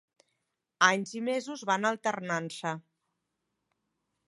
Anys i mesos van alternant-se.